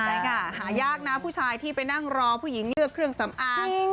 ใช่ค่ะหายากนะผู้ชายที่ไปนั่งรอผู้หญิงเลือกเครื่องสำอาง